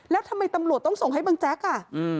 แล้วทำไมตำรวจต้องส่งให้บังแจ๊กอ่ะ